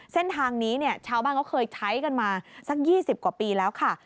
เส้นทางนี้เนี่ยชาวบ้านเขาเคยใช้กันมาสัก๒๐กว่าปีแล้วค่ะ